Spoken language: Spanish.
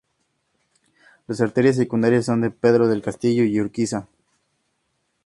Las arterias secundarias son Pedro del Castillo, y Urquiza.